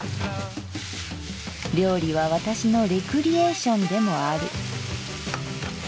「料理は私のレクリエーションでもある」。